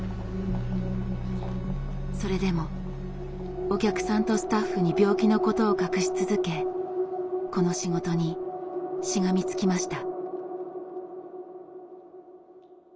それでもお客さんとスタッフに病気のことを隠し続けこの仕事にしがみつきました。